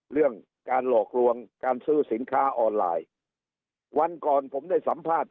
เรื่องการหลอกลวงการซื้อสินค้าออนไลน์วันก่อนผมได้สัมภาษณ์